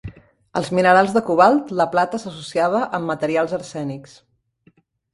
Als minerals de cobalt, la plata s"associava amb materials arsènics.